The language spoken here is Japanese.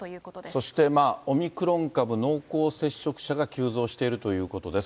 そして、オミクロン株濃厚接触者が急増しているということです。